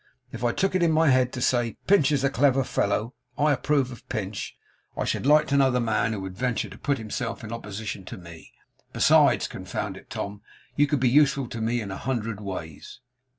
If I took it in my head to say, "Pinch is a clever fellow; I approve of Pinch;" I should like to know the man who would venture to put himself in opposition to me. Besides, confound it, Tom, you could be useful to me in a hundred ways.